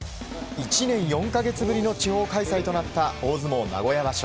１年４か月ぶりの地方開催となった大相撲名古屋場所。